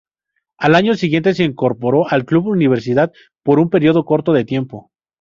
Al año siguiente se incorporó al Club Universidad por un periodo corto de tiempo.